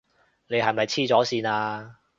你係咪痴咗線呀？